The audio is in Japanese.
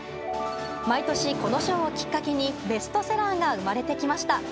毎年、この賞をきっかけにベストセラーが生まれてきました。